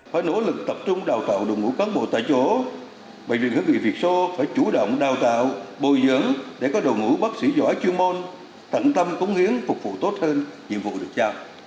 phải nỗ lực tập trung đào tạo đồng ngũ cán bộ tại chỗ bệnh viện hữu nghị việt sô phải chủ động đào tạo bồi dưỡng để có đội ngũ bác sĩ giỏi chuyên môn tận tâm cống hiến phục vụ tốt hơn nhiệm vụ được trao